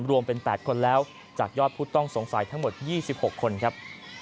รวมเป็น๘คนแล้วจากยอดผู้ต้องสงสัยทั้งหมด๒๖คนครับ